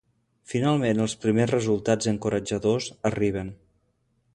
Finalment els primers resultats encoratjadors arriben.